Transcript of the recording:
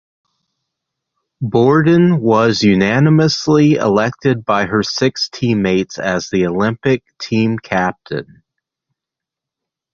Borden was unanimously elected by her six teammates as the Olympic team captain.